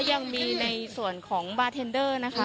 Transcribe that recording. ยังมีในส่วนของบาร์เทนเดอร์นะคะ